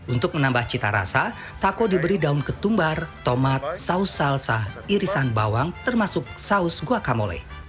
untuk menambah cita rasa tako diberi daun ketumbar tomat saus salsa irisan bawang termasuk saus guacamole